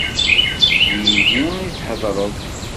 Yid-i i d-theddreḍ?